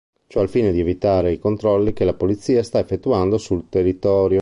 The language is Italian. Ciò al fine di evitare i controlli che la polizia sta effettuando sul territorio.